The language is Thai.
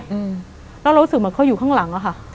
อืมแล้วเรารู้สึกเหมือนเขาอยู่ข้างหลังอะค่ะ